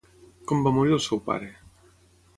Com va morir el seu pare?